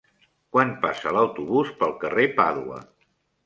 Quan passa l'autobús pel carrer Pàdua?